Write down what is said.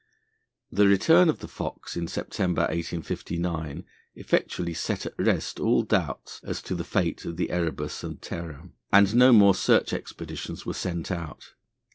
The return of the Fox in September 1859 effectually set at rest all doubts as to the fate of the Erebus and Terror, and no more search expeditions were sent out.